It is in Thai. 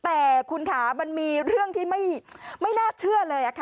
แต่คุณค่ะมันมีเรื่องที่ไม่น่าเชื่อเลยค่ะ